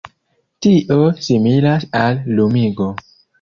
Tio similas al lumigo.